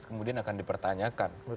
kemudian akan dipertanyakan betul